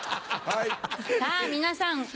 さぁ皆さん